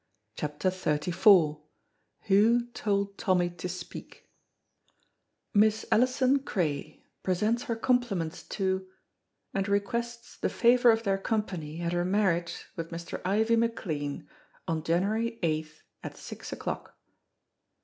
CHAPTER XXXIV WHO TOLD TOMMY TO SPEAK "Miss Alison Cray presents her compliments to and requests the favor of their company at her marriage with Mr. Ivie McLean, on January 8th, at six o'clock."